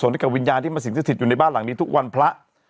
ส่วนด้วยกับวิญญาณที่มาสิ่งซึ้งสิทธิ์อยู่ในบ้านหลังนี้ทุกวันพระ